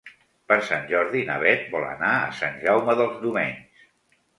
Per Sant Jordi na Bet vol anar a Sant Jaume dels Domenys.